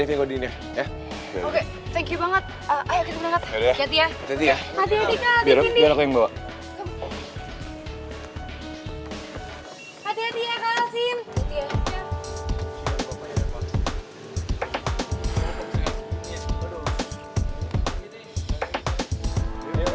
ya udah kita ke rumah